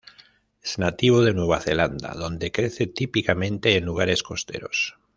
Es nativo de Nueva Zelanda, donde crece típicamente en lugares costeros.